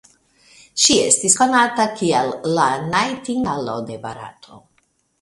Ŝi estis konata kiel "la najtingalo de Barato".